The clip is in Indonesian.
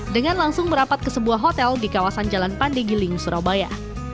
dengan langsung merapat ke sebuah hotel di kawasan jalan pandigiling surabaya